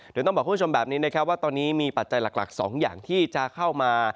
เดี๋ยวต้องบอกคุณผู้ชมแบบนี้นะครับว่าตอนนี้มีปัจจัยหลักสองอย่างที่จะเข้ามา